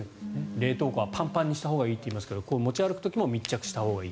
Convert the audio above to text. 冷凍庫はパンパンにしたほうがいいといいますが持ち歩く時も密着させたほうがいい。